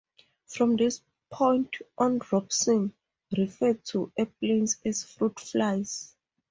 From this point on Robinson referred to airplanes as fruit flies.